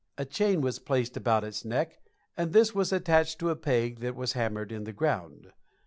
A chain was placed about its neck, and this was attached to a peg that was hammered in the ground.